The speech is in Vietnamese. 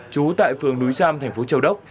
trú tại phường núi giam thành phố châu đốc